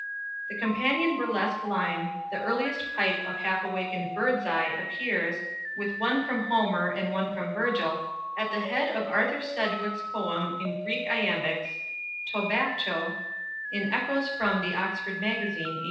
The companion burlesque line, "The earliest pipe of half awakened birdseye" appears, with one from Homer and one from Virgil, at the head of Arthur Sidgwick's poem in Greek Iambics, "Τῼ ΒΑΚΧῼ," in "Echoes from the Oxford Magazine," 1890.